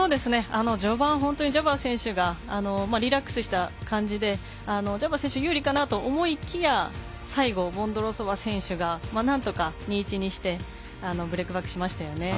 序盤、ジャバー選手がリラックスした感じで有利かなと思いきや最後、ボンドロウソバ選手がなんとか２−１にしてブレークバックしましたよね。